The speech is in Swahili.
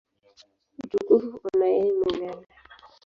Utukufu una yeye milele.